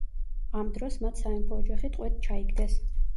ამ დროს მათ სამეფო ოჯახი ტყვედ ჩაიგდეს.